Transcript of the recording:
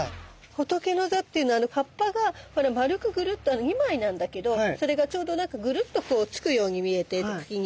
ホトケノザっていうのは葉っぱが丸くグルッと２枚なんだけどそれがちょうどなんかグルッとこうつくように見えて茎に。